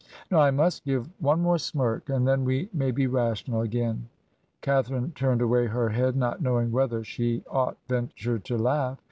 ' Now, I must give one more smirk, and then we may be rational again.' Catharine turned away her head, not knowing whether she ought venture to laugh.